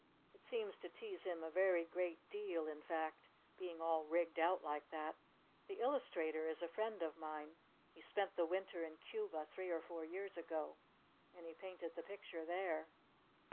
It seems to tease him a very great deal in fact. Being all rigged out like that. The illustrator is a friend of mine. He spent the Winter in Cuba three or four years ago. And he painted the picture there."